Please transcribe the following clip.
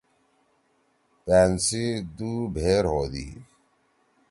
پأن سی دُو بھیر ہودی۔